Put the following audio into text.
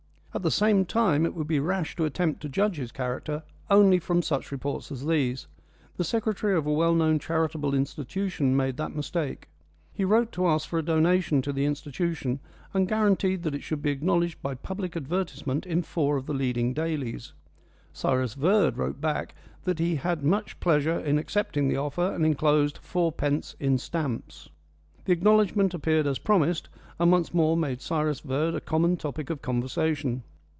At the same time it would be rash to attempt to judge his character only from such reports as these. The secretary of a well known charitable institution made that mistake. He wrote to ask for a donation to the institution, and guaranteed that it should be acknowledged by public advertisement in four of the leading dailies. Cyrus Verd wrote back that he had much pleasure in accepting the offer, and enclosed fourpence in stamps. The acknowledgment appeared as promised, and once more made Cyrus Verd a common topic of conversation.